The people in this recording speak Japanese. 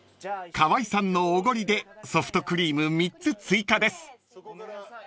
［川合さんのおごりでソフトクリーム３つ追加です］